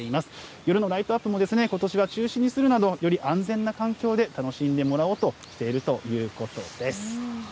夜のライトアップもことしは中止にするなど、より安全な環境で楽しんでもらおうとしているということです。